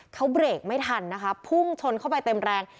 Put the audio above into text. เขาเบรกไม่ทันนะคะพุ่งชนเข้าไปเต็มแรง